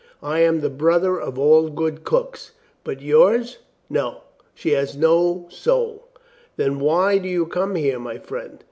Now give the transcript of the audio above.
"I am the brother of all good cooks. But yours — no, she has no soul." "Then why do you come here, my friend?"